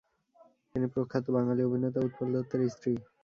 তিনি প্রখ্যাত বাঙালি অভিনেতা উৎপল দত্তের স্ত্রী।